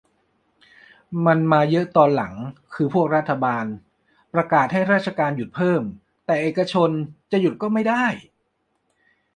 มันมาเยอะตอนหลังคือพวกรัฐบาลประกาศให้ราชการหยุดเพิ่ม แต่เอกชนจะไม่หยุดก็ได้